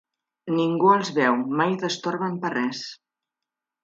Ningú els veu, mai destorben per res